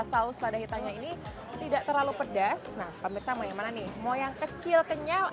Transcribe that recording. saus lada hitamnya ini tidak terlalu pedas nah pemirsa mau yang mana nih mau yang kecil kenyal